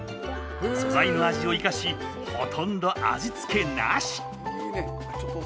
素材の味を生かしほとんど味付けなし。